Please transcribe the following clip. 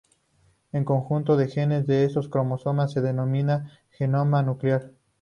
El conjunto de genes de esos cromosomas se denomina genoma nuclear.